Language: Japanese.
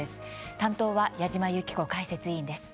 担当は矢島ゆき子解説委員です。